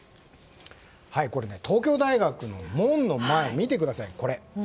東京大学の門の前見てください。